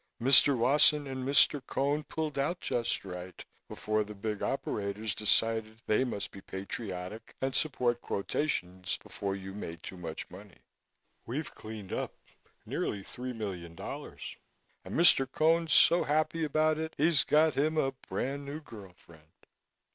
Mr. Wasson and Mr. Cone pulled out just right, before the big operators decided they must be patriotic and support quotations before you made too much money. We've cleaned up nearly three million dollars and Mr. Cone's so happy about it he's got him a brand new girl friend."